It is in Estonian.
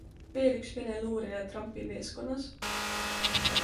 Veel üks Vene luuraja Trumpi meeskonnas?